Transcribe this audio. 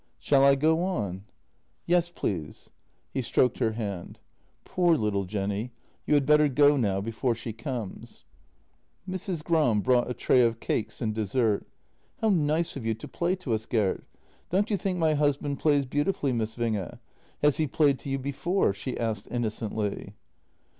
" Shall I go on? " 148 JENNY " Yes, please." He stroked her hand: "Poor little Jenny. You had better go now — before she comes." Mrs. Gram brought a tray of cakes and dessert. " How nice of you to play to us, Gert. Don't you think my husband plays beautifully, Miss Winge? Has he played to you before?" she asked innocently.